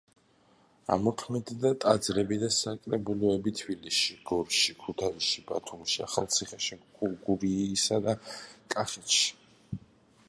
ამოქმედდა ტაძრები და საკრებულოები თბილისში, გორში, ქუთაისში, ბათუმში, ახალციხეში, გურიასა და კახეთში.